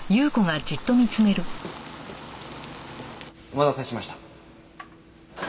お待たせしました。